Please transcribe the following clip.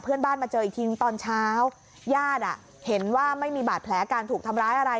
เพื่อนบ้านมาเจออีกทีตอนเช้าญาติเห็นว่าไม่มีบาดแผลการถูกทำร้ายอะไร